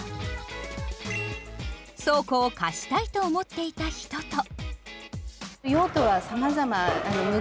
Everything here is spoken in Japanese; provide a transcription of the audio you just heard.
倉庫を貸したいと思っていた人と。